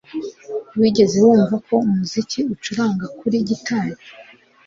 Wigeze wumva ko umuziki ucuranga kuri gitari